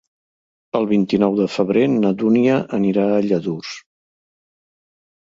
El vint-i-nou de febrer na Dúnia anirà a Lladurs.